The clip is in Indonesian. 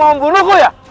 kamu mau membunuhku ya